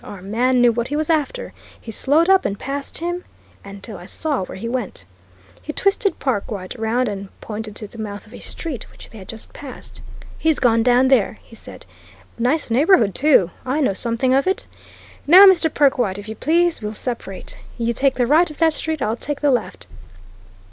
Our man knew what he was after he slowed up and passed him until I saw where he went." He twisted Perkwite round and pointed to the mouth of a street which they had just passed. "He's gone down there," he said. "Nice neighbourhood, too! I know something of it. Now, Mr. Perkwite, if you please, we'll separate. You take the right of that street I'll take the left.